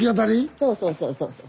そうそうそうそうそう。